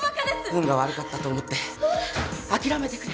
運が悪かったと思って諦めてくれ。